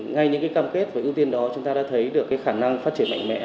ngay những cam kết và ưu tiên đó chúng ta đã thấy được khả năng phát triển mạnh mẽ